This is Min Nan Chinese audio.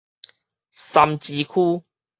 三芝區